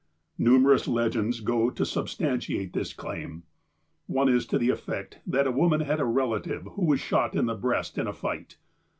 Numerous legends go to substantiate this claim. One is to the effect that a woman had a relative who was shot in the breast in a fight.